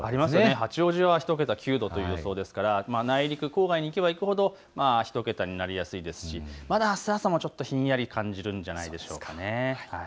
八王子は９度の予想ですから郊外に行けば行くほど１桁になりやすいですし、あす朝はひんやりと感じるのではないでしょうか。